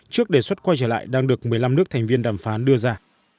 trước đề xuất quay trở lại đang được một mươi năm nước thành viên đàm phán đưa ra